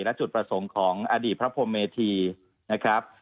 และจุดประสงค์ของอดีตพระพรมเมธีนะครับ